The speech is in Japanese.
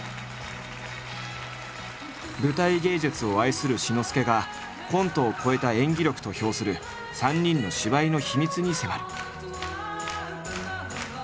舞台芸術を愛する志の輔がコントを超えた演技力と評する３人の芝居の秘密に迫る。